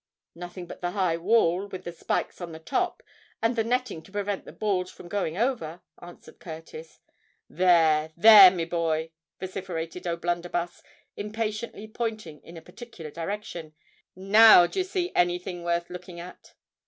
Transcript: "Nothing but the high wall, with the spikes on the top, and the netting to prevent the balls from going over," answered Curtis. "There—there, me boy!" vociferated O'Blunderbuss, impatiently pointing in a particular direction. "Now d'ye see any thing worth looking at?"